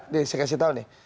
saya kasih tau nih